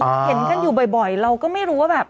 เห็นกันอยู่บ่อยเราก็ไม่รู้ว่าแบบ